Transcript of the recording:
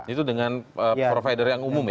itu dengan provider yang umum ya